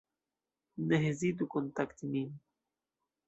Ne hezitu kontakti min.